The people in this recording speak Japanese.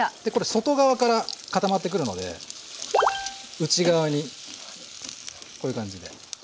でこれ外側から固まってくるので内側にこういう感じで。